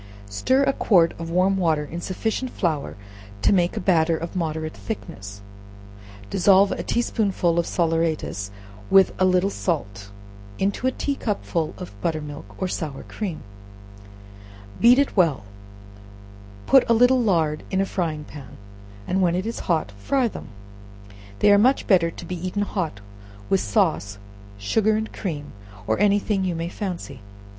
Stir a quart of warm water in sufficient flour to make a batter of moderate thickness; dissolve a tea spoonful of salaeratus, with a little salt, into a tea cupful of butter milk, or sour cream; beat it well; put a little lard in a frying pan, and when it is hot, fry them. They are much better to be eaten hot, with sauce, sugar and cream, or any thing you may fancy.